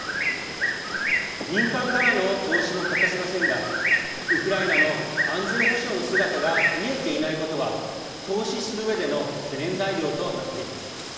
民間からの投資も欠かせませんがウクライナの安全保障の姿が見えていないことは投資するうえでの懸念材料となっています。